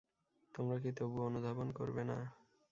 তোমরা কি তবুও অনুধাবন করবে না?